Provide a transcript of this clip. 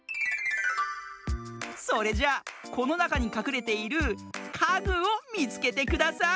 それじゃあこのなかにかくれている「かぐ」をみつけてください。